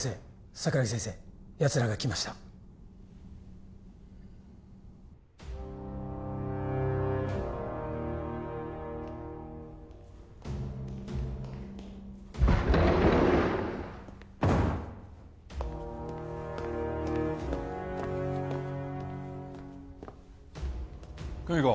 桜木先生やつらが来ました久美子